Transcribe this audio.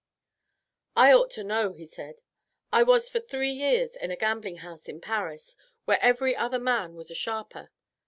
"I ought to know," he said. "I was for three years in a gambling house in Paris, where every other man was a sharper.